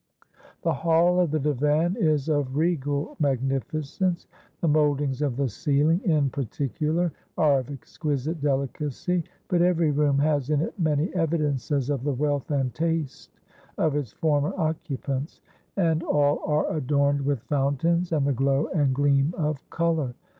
The hall of the divan is of regal magnificence; the mouldings of the ceiling, in particular, are of exquisite delicacy. But every room has in it many evidences of the wealth and taste of its former occupants, and all are adorned with fountains, and the glow and gleam of colour.